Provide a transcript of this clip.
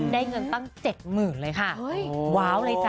ได้เงินตั้ง๗๐๐เลยค่ะว้าวเลยจ้